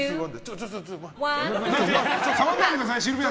触らないでください。